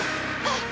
あっ！